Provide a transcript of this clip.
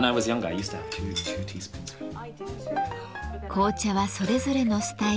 紅茶はそれぞれのスタイルで。